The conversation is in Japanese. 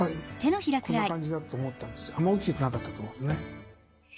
あまり大きくなかったと思うんですね。